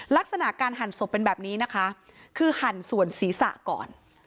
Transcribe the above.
ลักษณะการหั่นศพเป็นแบบนี้นะคะคือหั่นส่วนศีรษะก่อน